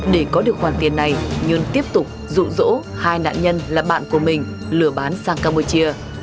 để có được khoản tiền này nhơn tiếp tục rụ rỗ hai nạn nhân là bạn của mình lừa bán sang campuchia